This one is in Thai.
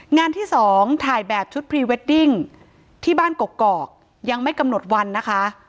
งานที่สองถ่ายแบบชุดพรีเวดดิ้งที่บ้านกกอกยังไม่กำหนดวันนะคะ